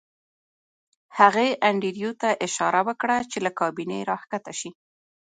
هغې انډریو ته اشاره وکړه چې له کابینې راښکته شي